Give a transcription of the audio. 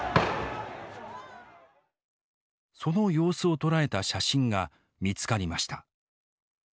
その様子を捉えた写真が見つかりました。